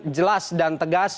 jelas dan tegas